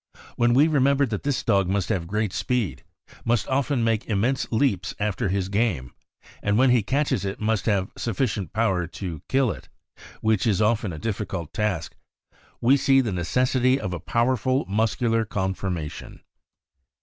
When we remember that this dog must have great speed, must often make im mense leaps after his game, and when he catches it must have sufficient power to kill it — which is often a difficult task — we see the necessity of a powerful muscular con formation.